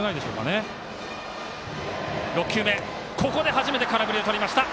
初めて空振りをとりました。